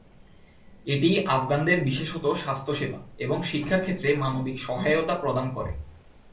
এটি আফগানদের বিশেষত স্বাস্থ্যসেবা এবং শিক্ষার ক্ষেত্রে মানবিক সহায়তা প্রদান করে।